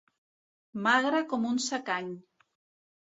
Magre com un secany.